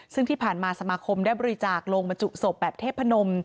ซึ่งที่ผ่านมาสมาคมได้บริจาคโรงบรรจุศพแบบเทพนม